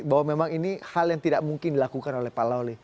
bahwa memang ini hal yang tidak mungkin dilakukan oleh pak lawli